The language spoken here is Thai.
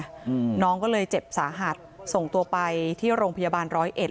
อืมน้องก็เลยเจ็บสาหัสส่งตัวไปที่โรงพยาบาลร้อยเอ็ด